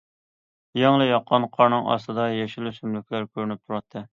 يېڭىلا ياغقان قارنىڭ ئاستىدا يېشىل ئۆسۈملۈكلەر كۆرۈنۈپ تۇراتتى.